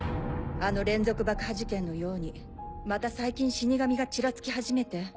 あの連続爆破事件のようにまた最近死神がちらつき始めて。